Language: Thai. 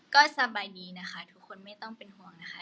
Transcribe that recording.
ก็สบายดีนะคะทุกคนไม่ต้องเป็นห่วงนะคะ